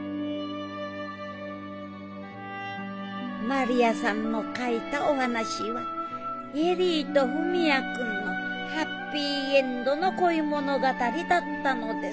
真里亜さんの書いたお話は恵里と文也君のハッピーエンドの恋物語だったのです。